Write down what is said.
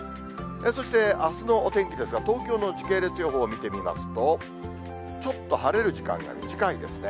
そして、あすのお天気ですが、東京の時系列予想を見てみますと、ちょっと晴れる時間が短いですね。